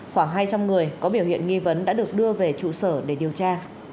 khoảng hai trăm linh người có biểu hiện nghi vấn đã được đưa về trụ sở để điều tra